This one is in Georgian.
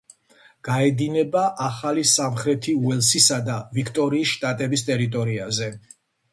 გაედინება ახალი სამხრეთი უელსისა და ვიქტორიის შტატების ტერიტორიაზე.